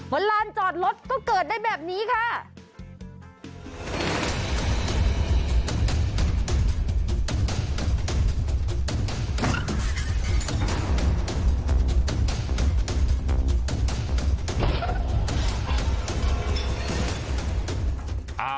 ลานจอดรถก็เกิดได้แบบนี้ค่ะ